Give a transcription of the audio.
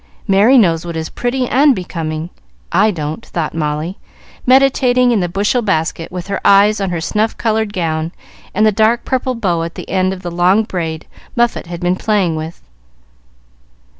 Merry knows what is pretty and becoming: I don't," thought Molly, meditating in the bushel basket, with her eyes on her snuff colored gown and the dark purple bow at the end of the long braid Muffet had been playing with.